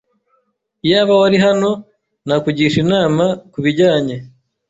Iyaba wari hano, nakugisha inama kubijyanye.